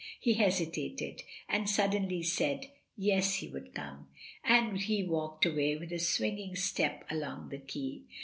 He hesitated, and sud denly said, yes he would come, and he walked away with a swinging step along the quai.